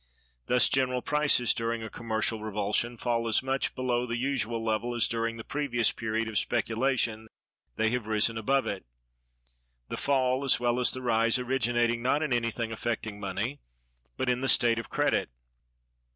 Thus general prices, during a commercial revulsion, fall as much below the usual level as during the previous period of speculation they have risen above it; the fall, as well as the rise, originating not in anything affecting money, but in the state of credit.